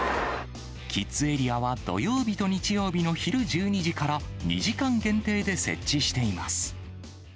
キッズエリアは、土曜日と日曜日の昼１２時から、２時間限定で設置しています。